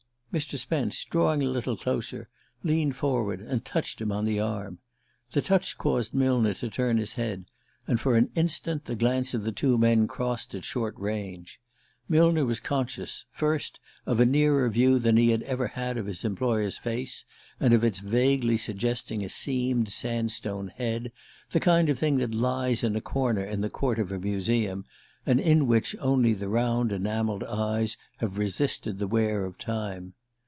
Mr. Spence, drawing a little closer, leaned forward and touched him on the arm. The touch caused Millner to turn his head, and for an instant the glance of the two men crossed at short range. Millner was conscious, first, of a nearer view than he had ever had of his employer's face, and of its vaguely suggesting a seamed sandstone head, the kind of thing that lies in a corner in the court of a museum, and in which only the round enamelled eyes have resisted the wear of time.